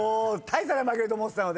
大差で負けると思ってたので。